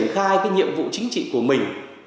triển khai cái nhiệm vụ chính trị của mình